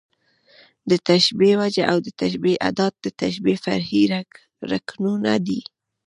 د تشبېه وجه او د تشبېه ادات، د تشبېه فرعي رکنونه دي.